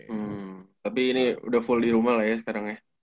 hmm tapi ini udah full di rumah lah ya sekarang ya